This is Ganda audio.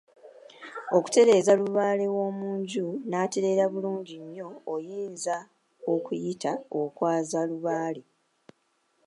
Okutereeza Lubaale w’omu nju n’atereera bulungi nnyo oyinza ku okuyita Okwaaza Lubaale.